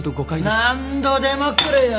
何度でも来るよ。